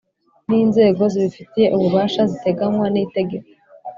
N inzego zibifitiye ububasha ziteganywa n itegeko